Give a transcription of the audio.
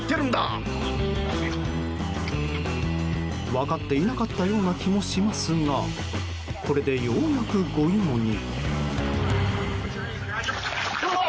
分かっていなかったような気もしますがこれで、ようやく御用に。